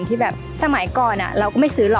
ที่แบบสมัยก่อนเราก็ไม่ซื้อหรอก